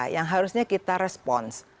yang harusnya kita respons